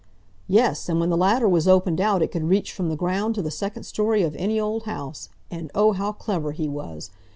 "Yes, and when the ladder was opened out it could reach from the ground to the second storey of any old house. And, oh! how clever he was!